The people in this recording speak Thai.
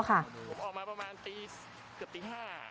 ผมออกมาประมาณตีเกือบตี๕